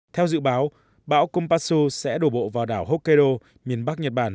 theo dự báo bão kumpasu sẽ đổ bộ vào đảo hokkaido miền bắc nhật bản